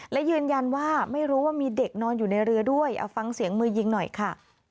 และยืนยันว่าไม่รู้ว่ามีเด็กนอนอยู่ในเรือด้วยเอาฟังเสียงมือยิงหน่อยค่ะ